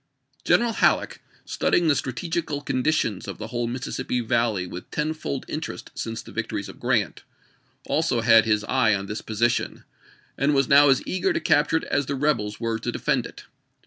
General Halleck, studying the strategical condi tions of the whole Mississippi Valley with tenfold interest since the victories of Grant, also had his eye on this position, and was now as eager to cap ture it as the rebels were to defend it.